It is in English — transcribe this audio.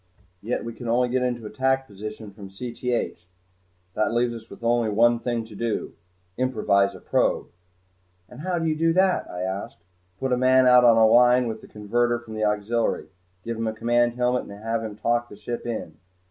Yet we can only get into attack position from Cth. That leaves us only one thing to do improvise a probe." "And how do you do that?" I asked. "Put a man out on a line with the converter from the auxiliary. Give him a command helmet and have him talk the ship in."